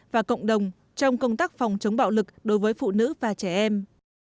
và cộng đồng trong công tác phòng chống bạo lực đối với phụ nữ và trẻ em